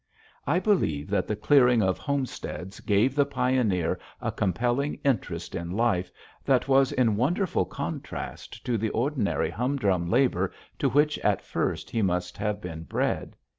I believe that the clearing of homesteads gave the pioneer a compelling interest in life that was in wonderful contrast to the ordinary humdrum labor to which at first he must have been bred.